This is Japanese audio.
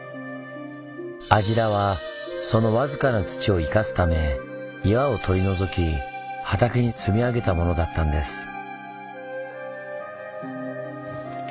アジラはそのわずかな土を生かすため岩を取り除き畑に積み上げたものだったんです。